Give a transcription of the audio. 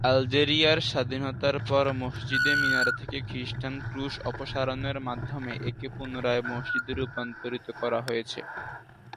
আলজেরিয়ার স্বাধীনতার পর মসজিদের মিনার থেকে খ্রিস্টান ক্রুশ অপসারণের মাধ্যমে একে পুনরায় মসজিদে রূপান্তরিত করা হয়েছে।